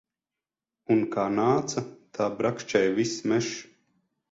Un kā nāca, tā brakšķēja viss mežs.